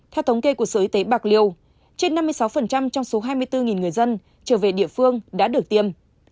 theo thống kê của sở y tế bạc liêu trên năm mươi sáu trong số hai mươi bốn người dân trở về địa phương đã được tiêm